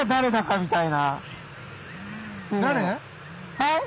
はい？